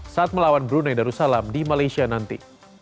saat melawan brunei darussalam di malaysia nanti